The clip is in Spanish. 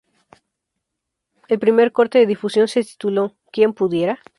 El primer corte de difusión se tituló "Quien pudiera".